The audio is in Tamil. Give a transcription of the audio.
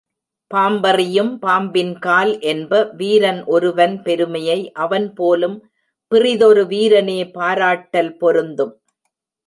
பாம்பறியும் பாம்பின் கால் என்ப, வீரன் ஒருவன் பெருமையை அவன்போலும் பிறிதொரு வீரனே பாராட்டல் பொருந்தும்.